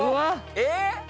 えっ？